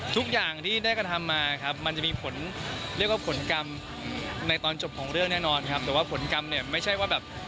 ทุกอย่างที่ได้กระทำมามันจะมีผลกรรมในตอนจบของเรื่องแน่นอนครับ